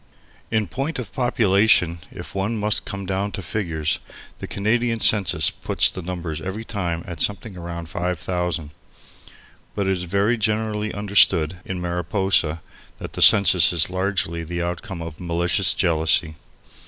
In point of population, if one must come down to figures, the Canadian census puts the numbers every time at something round five thousand. But it is very generally understood in Mariposa that the census is largely the outcome of malicious jealousy.